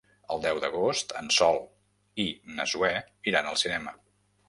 El deu d'agost en Sol i na Zoè iran al cinema.